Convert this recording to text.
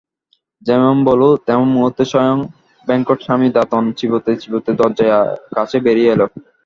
যেমন বলা, সেই মুহূর্তেই স্বয়ং বেঙ্কটস্বামী দাঁতন চিবোতে চিবোতে দরজার কাছে বেরিয়ে এল।